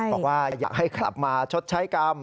บอกว่าอยากให้กลับมาชดใช้กรรม